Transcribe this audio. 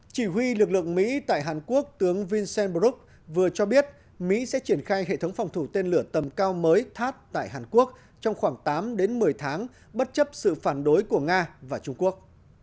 chỉ huy lực lượng mỹ tại hàn quốc tướng vinsen brouk vừa cho biết mỹ sẽ triển khai hệ thống phòng thủ tên lửa tầm cao mới thắt tại hàn quốc trong khoảng tám đến một mươi tháng bất chấp sự phản đối của nga và trung quốc